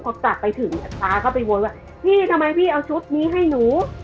พอกลับไปถึงป๊าก็ไปวนว่าพี่ทำไมพี่เอาชุดนี้ให้หนู